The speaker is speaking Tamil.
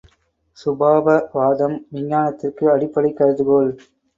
சுபாவவாதம், விஞ்ஞானத்திற்கு அடிப்படைக் கருதுகோள்.